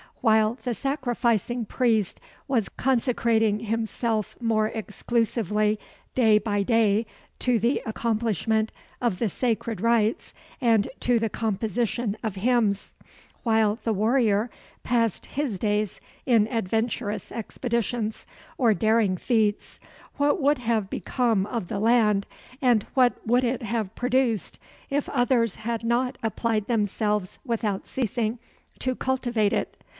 While the sacrificing priest was consecrating himself more exclusively day by day to the accomplishment of the sacred rites and to the composition of hymns; while the warrior passed his days in adventurous expeditions or daring feats, what would have become of the land and what would it have produced if others had not applied themselves without ceasing, to cultivate it?